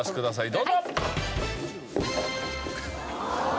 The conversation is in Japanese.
どうぞ。